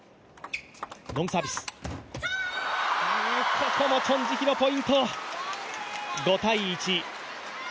ここもチョン・ジヒのポイント、５−１。